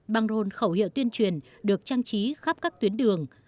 băng rôn khẩu hiệu tuyên truyền được trang trí khắp các tuyến đường